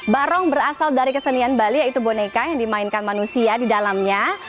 barong berasal dari kesenian bali yaitu boneka yang dimainkan manusia di dalamnya